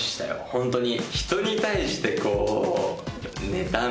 ホントに。